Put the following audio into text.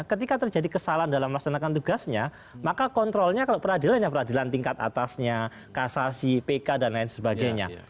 ketika terjadi kesalahan dalam melaksanakan tugasnya maka kontrolnya kalau peradilan ya peradilan tingkat atasnya kasasi pk dan lain sebagainya